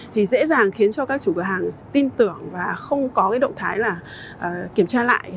thì dễ dàng khiến cho các chủ cửa hàng tin tưởng và không có cái động thái là kiểm tra lại